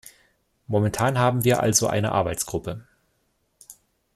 Momentan haben wir also eine Arbeitsgruppe.